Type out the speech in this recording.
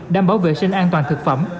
đảm bảo vệ sinh an toàn thực phẩm